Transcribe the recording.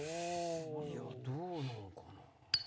いやどうなんかな？